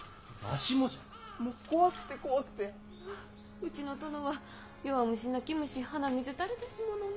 うちの殿は弱虫泣き虫鼻水垂れですものね。